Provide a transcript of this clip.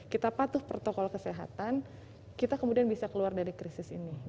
kita patuh protokol kesehatan kita kemudian bisa keluar dari krisis ini